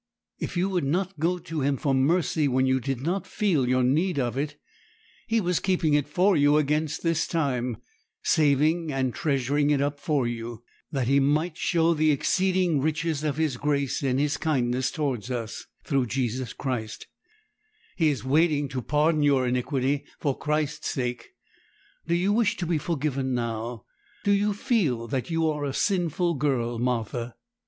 If you would not go to Him for mercy when you did not feel your need of it, He was keeping it for you against this time; saving and treasuring it up for you, "that He might show the exceeding riches of His grace in His kindness towards us, through Christ Jesus." He is waiting to pardon your iniquity, for Christ's sake. Do you wish to be forgiven now? Do you feel that you are a sinful girl, Martha?'